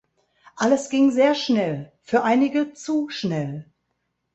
Alles ging sehr schnell, für einige zu schnell.